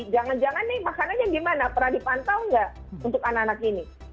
jangan jangan nih makanannya gimana pernah dipantau nggak untuk anak anak ini